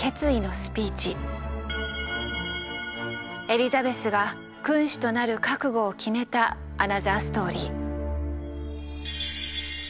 エリザベスが君主となる覚悟を決めたアナザーストーリー。